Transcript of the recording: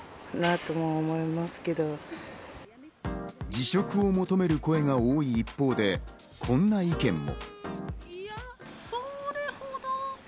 辞職を求める声が多い一方で、こんな意見も。